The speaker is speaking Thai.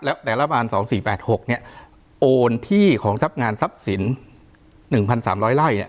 แล้วแต่รัฐบาล๒๔๘๖เนี่ยโอนที่ของทรัพย์งานทรัพย์สิน๑๓๐๐ไร่เนี่ย